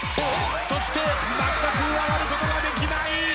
そして増田君は割ることができない！